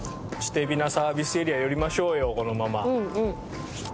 海老名サービスエリア寄りましょうよこのまま。